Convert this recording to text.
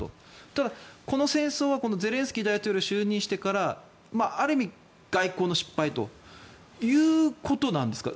ただ、この戦争はゼレンスキー大統領就任してからある意味、外交の失敗ということなんですか。